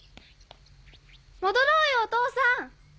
戻ろうよお父さん！